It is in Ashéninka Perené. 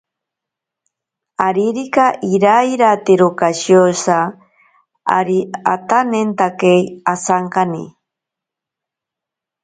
Aririka iira iratero kashiyosa ari atanentakei asankane.